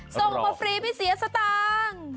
ส่งมาฟรีไม่เสียสตางค์